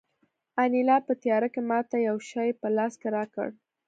انیلا په تیاره کې ماته یو شی په لاس کې راکړ